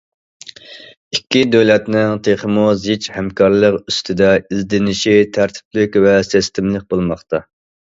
ئىككى دۆلەتنىڭ تېخىمۇ زىچ ھەمكارلىق ئۈستىدە ئىزدىنىشى تەرتىپلىك ۋە سىستېمىلىق بولماقتا.